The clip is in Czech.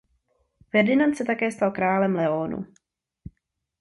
Ferdinand se tak stal i králem Leónu.